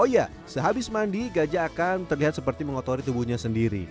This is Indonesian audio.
oh ya sehabis mandi gajah akan terlihat seperti mengotori tubuhnya sendiri